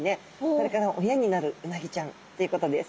これから親になるうなぎちゃんっていうことです。